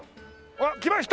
あら来ました！